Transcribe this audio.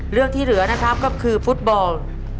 เรื่องที่เหลือนะครับก็คือฟุตบอล